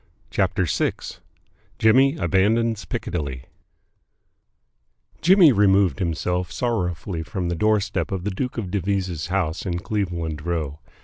CHAPTER VI JIMMY ABANDONS PICCADILLY Jimmy removed himself sorrowfully from the doorstep of the Duke of Devizes' house in Cleveland Row.